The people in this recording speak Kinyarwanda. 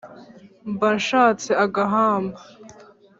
mba nshatse agahamba